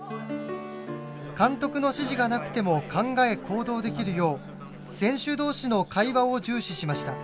監督の指示がなくても考え行動できるよう選手同士の会話を重視しました。